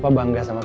terima kasih pak